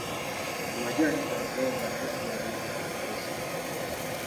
Amajaani gano gawooma naye si malungi ku bakazi.